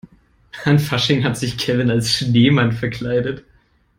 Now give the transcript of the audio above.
An Fasching hat sich Kevin als Schneemann verkleidet.